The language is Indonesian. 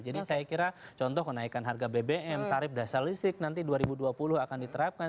jadi saya kira contoh kenaikan harga bbm tarif dasar listrik nanti dua ribu dua puluh akan diterapkan